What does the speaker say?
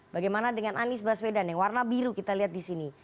bagaimana dengan anies baswedan yang warna biru kita lihat di sini